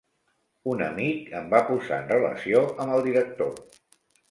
Un amic em va posar en relació amb el director.